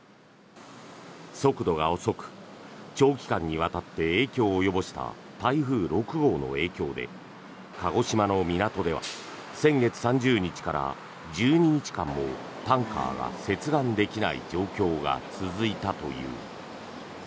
速度が遅く、長期間にわたって影響を及ぼした台風６号の影響で鹿児島の港では先月３０日から１２日間もタンカーが接岸できない状況が続いたという。